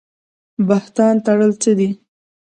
بهتان تړل څه دي؟